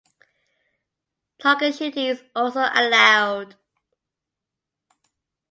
Target shooting is also allowed.